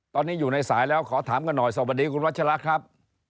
ตอนนี้อยู่ในสายแล้วขอถามกันหน่อยสวัสดีคุณวัชละครับ